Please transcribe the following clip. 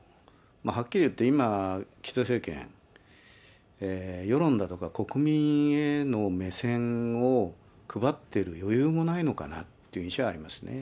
はっきり言って、今、岸田政権、世論だとか、国民への目線を配っている余裕もないのかなっていう印象がありますね。